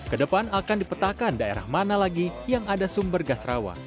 kedepan akan dipetakan daerah mana lagi yang ada sumber gas rawa